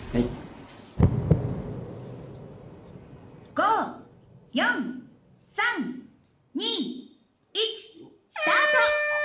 「５４３２１スタート！」。